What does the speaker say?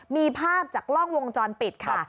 มีภาพจากกล้องวงจรปิดค่ะ